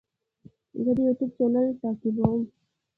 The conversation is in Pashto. زه د یوټیوب چینل تعقیبوم.